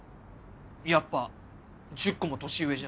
やっぱ１０個も年上じゃ。